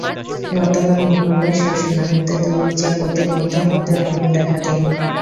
গতকাল মঙ্গলবার সেই শুনানিতে দুই বিচারপতির মধ্যে মতের অমিল দেখা দেয়।